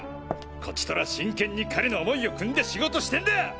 こちとら真剣に彼の想いを汲んで仕事してんだ！！